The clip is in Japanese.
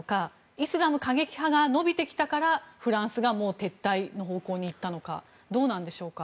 イスラム過激派が伸びてきたからフランスがもう撤退の方向に行ったのかどうなんでしょうか？